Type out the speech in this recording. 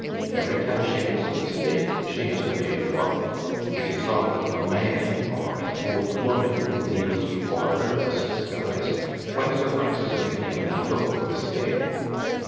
Every time she makes a mistake she has to pay a forfeit. It is often a man or an old woman who kneels before her thus disguised, whence arises many a laughable mistake.